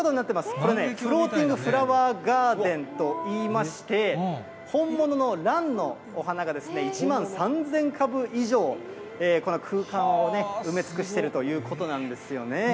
これね、フローティング・フラワー・ガーデンといいまして、本物のランのお花がですね、１万３０００株以上、この空間をね、埋め尽くしてるということなんですよね。